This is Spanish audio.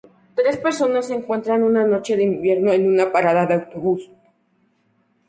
Tres personas se encuentran una noche de invierno en una parada de autobús.